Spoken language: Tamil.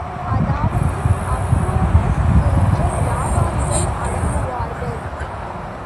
அதாவது அக்ரோனோஸ் போன்ற வியாபாரிகள் அடங்குவார்கள்.